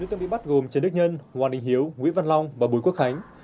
bốn tượng bị bắt gồm trần đức nhân hoàng đình hiếu nguyễn văn long và bùi quốc khánh